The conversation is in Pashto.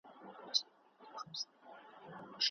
ایا شاګرد باید د موضوع ستونزي وپیژني؟